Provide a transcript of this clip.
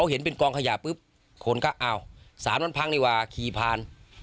เห็นกองขยะปุ๊บคนก็เอาสารผังดีกว่าขี่ผ่าน